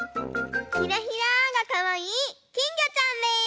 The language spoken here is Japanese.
ひらひらがかわいいきんぎょちゃんです！